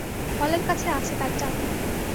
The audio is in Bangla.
হলার কাছে আছে তার চাবি।